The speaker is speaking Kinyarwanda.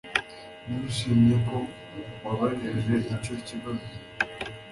nishimiye ko wabajije icyo kibazo